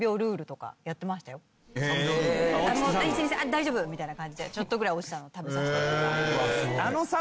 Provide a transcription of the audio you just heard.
「１２３大丈夫！」みたいな感じでちょっとぐらい落ちたのを食べさせたりとか。